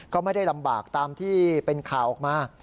ก็ไม่ได้ลำบากตามที่เป็นข่าวออกมา